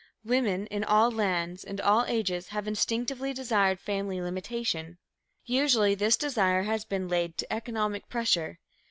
Women in all lands and all ages have instinctively desired family limitation. Usually this desire has been laid to economic pressure.